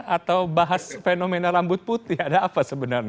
atau bahas fenomena rambut putih ada apa sebenarnya